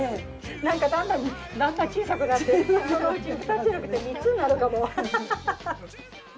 なんかだんだん小さくなってそのうち２つじゃなくて３つになるかも。